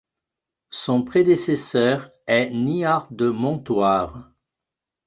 Son prédécesseur est Nihard de Montoire.